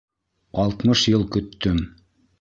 Алтмыш йыл көттөм!